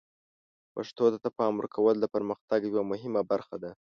پښتو ته د پام ورکول د پرمختګ یوه مهمه برخه ده.